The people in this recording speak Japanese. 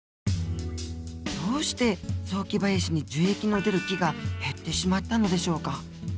どうして雑木林に樹液の出る木が減ってしまったのでしょうか？